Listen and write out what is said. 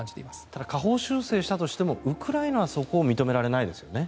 ただ下方修正したとしてもウクライナはそこを認められないですよね。